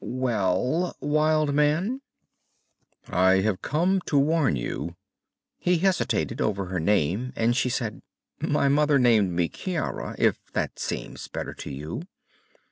"Well, wild man?" "I have come to warn you." He hesitated over her name, and she said, "My mother named me Ciara, if that seems better to you."